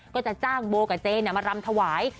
ก็จะจ้างโบกับเจนมารำถวาย